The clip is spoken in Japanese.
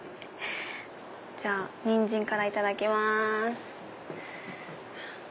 じゃあニンジンからいただきます。